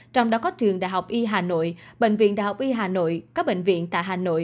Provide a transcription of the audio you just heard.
trong đó có trường đh y hà nội bệnh viện đh y hà nội các bệnh viện tại hà nội